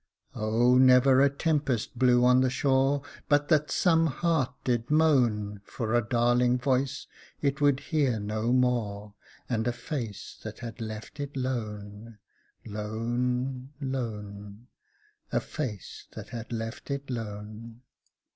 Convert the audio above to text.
Oh! never a tempest blew on the shore But that some heart did moan For a darling voice it would hear no more And a face that had left it lone, lone, lone A face that had left it lone!